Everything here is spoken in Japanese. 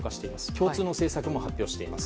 共通の政策も発表しています。